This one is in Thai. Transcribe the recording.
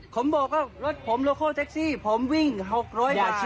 ผมบอกว่ารถผมโลโคแท็กซี่ผมวิ่ง๖๐๐บาท